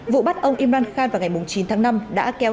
vụ bắt ông imran khan vào ngày chín tháng năm đã kéo